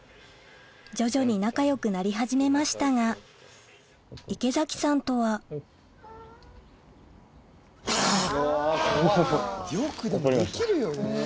徐々に仲よくなり始めましたが池崎さんとはハハハ。